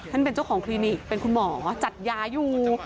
เป็นเจ้าของคลินิกเป็นคุณหมอจัดยาอยู่